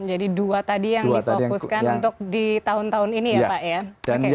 jadi dua tadi yang difokuskan untuk di tahun tahun ini ya pak ya